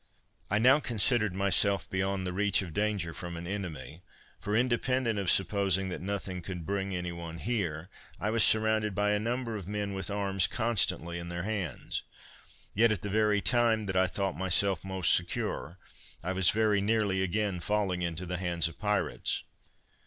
I now considered myself beyond the reach of danger from an enemy, for, independent of supposing that nothing could bring any one here, I was surrounded by a number of men with arms constantly in their hands. Yet, at the very time that I thought myself most secure, I was very nearly again falling into the hands of pirates.